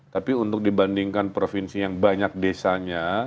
tapi untuk dibandingkan provinsi yang banyak desanya